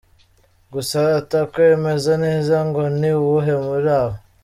Gusa atakwemeza neza ngo ni uwuhe muri aba.